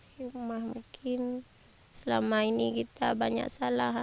hikmah mungkin selama ini kita banyak salah